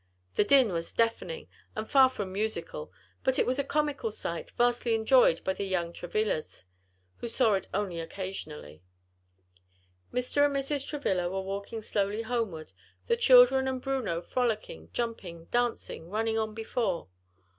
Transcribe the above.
The din was deafening, and far from musical, but it was a comical sight, vastly enjoyed by the young Travillas, who saw it only occasionally. Mr. and Mrs. Travilla were walking slowly homeward, the children and Bruno frolicking, jumping, dancing, running on before.